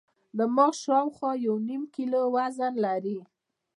دماغ شاوخوا یو نیم کیلو وزن لري.